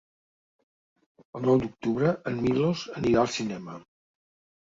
El nou d'octubre en Milos anirà al cinema.